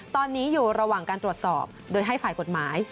ตอนนี้อยู่ระหว่างการตรวจสอบโดยให้ฝ่ายกฎหมาย